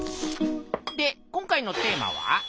で今回のテーマは？